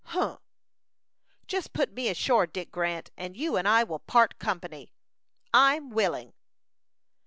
"Humph!" "Just put me ashore, Dick Grant, and you and I will part company." "I'm willing."